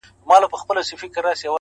هر ماځيگر تبه! هره غرمه تبه!